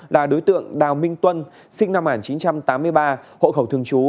là đối tượng đào minh tuân sinh năm một nghìn chín trăm tám mươi ba hộ khẩu thường trú